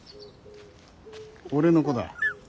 俺の子だ。